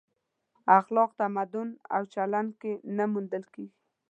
اخلاق تمدن او چلن کې نه موندل کېږي.